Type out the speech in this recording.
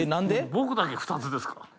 僕だけ２つですか。